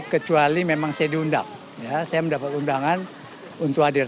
kecuali memang saya diundang saya mendapat undangan untuk hadir